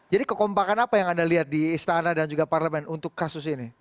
jadi kekompakan apa yang anda lihat di istana dan juga parlemen untuk kasus ini